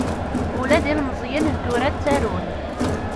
Ula d ilmeẓyen n tura ttarun.